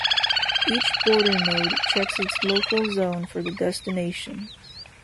Each border node checks its local zone for the destination.